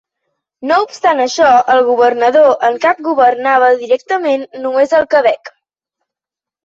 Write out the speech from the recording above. No obstant això, el governador en cap governava directament només el Quebec.